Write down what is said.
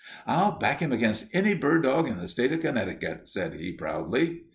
"I'll back him against any bird dog in the state of Connecticut," said he, proudly.